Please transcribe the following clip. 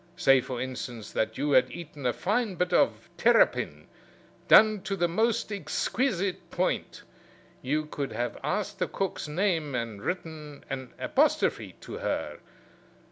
Say, for instance, that you had eaten a fine bit of terrapin, done to the most exquisite point you could have asked the cook's name, and written an apostrophe to her.